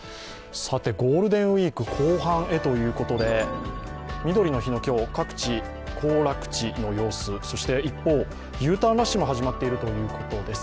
さて、ゴールデンウイーク後半へということでみどりの日、今日、各地、行楽地の様子そして一方、Ｕターンラッシュも始まっているということです。